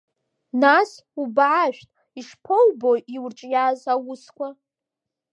Нас, убаашәт, ишԥоубо иурҿиаз аусқәа?